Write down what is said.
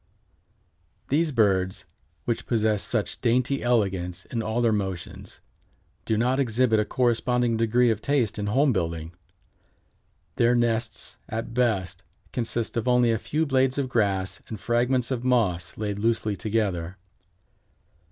] These birds, which possess such dainty elegance in all their motions, do not exhibit a corresponding degree of taste in home building. Their nests, at best, consist of only a few blades of grass and fragments of moss laid loosely together.